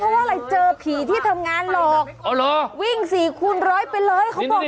เพราะว่าอะไรเจอผีที่ทำงานหลอกวิ่งสี่คูณร้อยไปเลยเขาบอก